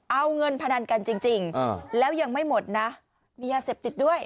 เอาเงินพนันกันจริงแล้วยังไม่หมดนะมียาเสพติดด้วย